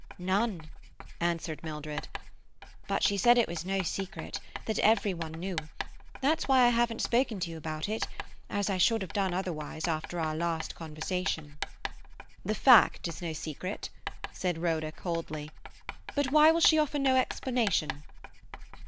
"None," answered Mildred. "But she said it was no secret; that every one knew. That's why I haven't spoken to you about it—as I should have done otherwise after our last conversation." "The fact is no secret," said Rhoda coldly. "But why will she offer no explanation?"